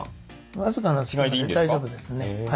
僅かな隙間で大丈夫ですね。